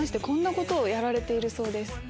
こんなことをやられているそうです。